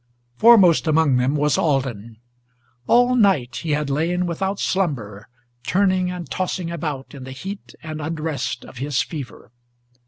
Foremost among them was Alden. All night he had lain without slumber, Turning and tossing about in the heat and unrest of his fever.